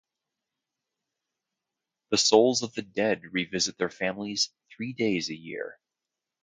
The souls of the dead revisit their families three days a year.